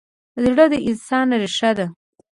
زړه د انسان ریښه ده.